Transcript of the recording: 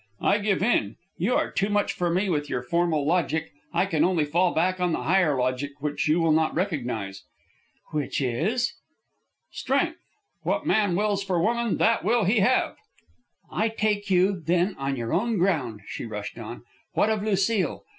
"I give in. You are too much for me with your formal logic. I can only fall back on the higher logic, which you will not recognize." "Which is " "Strength. What man wills for woman, that will he have." "I take you, then, on your own ground," she rushed on. "What of Lucile?